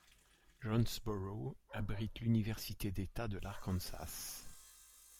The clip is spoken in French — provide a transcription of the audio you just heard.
Jonesboro abrite l'université d'État de l'Arkansas.